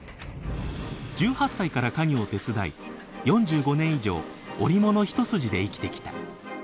１８歳から家業を手伝い４５年以上織物一筋で生きてきた。